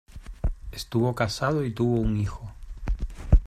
Estuvo casado y tuvo un hijo.